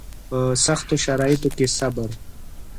په سختو شرایطو کې صبر